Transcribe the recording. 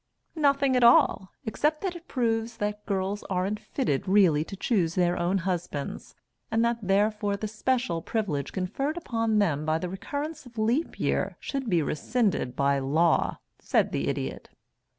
"Nothing at all, except that it proves that girls aren't fitted really to choose their own husbands, and that therefore the special privilege conferred upon them by the recurrence of Leap Year should be rescinded by law," said the Idiot.